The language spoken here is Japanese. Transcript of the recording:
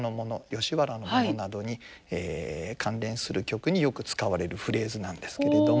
吉原のものなどに関連する曲によく使われるフレーズなんですけれども。